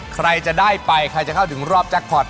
ใครจะได้ไปใครจะเข้าถึงรอบแจ็คพอร์ต